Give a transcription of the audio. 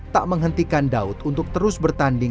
tak menghentikan daud untuk terus bertanding